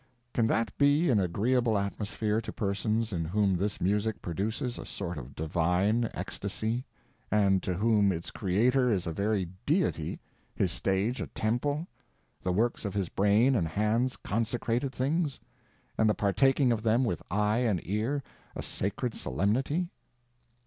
Can that be an agreeable atmosphere to persons in whom this music produces a sort of divine ecstasy and to whom its creator is a very deity, his stage a temple, the works of his brain and hands consecrated things, and the partaking of them with eye and ear a sacred solemnity?